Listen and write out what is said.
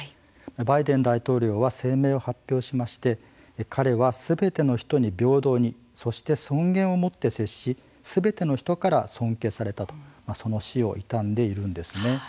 バイデン大統領は声明を発表しまして彼は、すべての人に平等にそして、尊厳を持って接しすべての人から尊敬されたとその死を悼んでいるんですね。